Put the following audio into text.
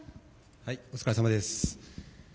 お疲れさまです。